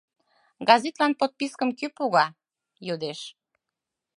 — Газетлан подпискым кӧ пога? — йодеш.